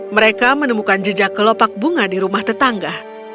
mereka menemukan jejak kelopak bunga di rumah tetangga